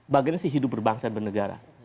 bagiannya hidup berbangsa dan bernegara